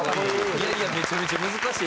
いやいやめちゃめちゃ難しい。